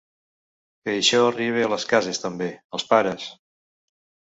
Que això arribe a les cases també, als pares.